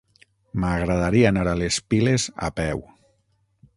M'agradaria anar a les Piles a peu.